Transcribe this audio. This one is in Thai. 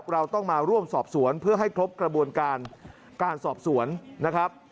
เราต้องมาร่วมสอบสวนเพื่อให้ครบกระบวนการการสอบสวนนะครับ